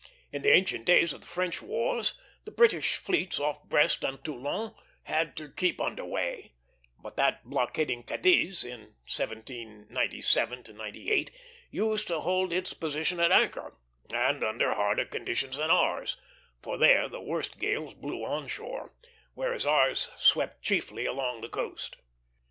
In the ancient days of the French wars, the British fleets off Brest and Toulon had to keep under way, but that blockading Cadiz, in 1797 98, used to hold its position at anchor, and under harder conditions than ours; for there the worst gales blew on shore, whereas ours swept chiefly along the coast.